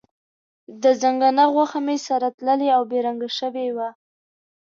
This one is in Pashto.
د ځنګانه غوښه مې هم سره تللې او بې رنګه شوې وه.